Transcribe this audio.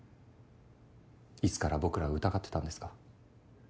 いつから僕らを疑ってたんですか？